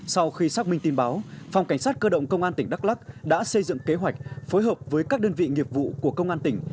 sau khi xác minh tin báo phòng cảnh sát cơ động công an tỉnh đắk lắc đã xây dựng kế hoạch phối hợp với các đơn vị nghiệp vụ của công an tỉnh